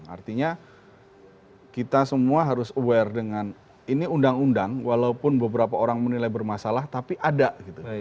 artinya kita semua harus aware dengan ini undang undang walaupun beberapa orang menilai bermasalah tapi ada gitu